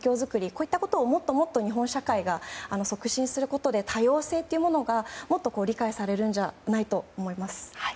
こういったことを、もっともっと日本社会が促進することで多様性というものがもっと理解させるんじゃないかと思います。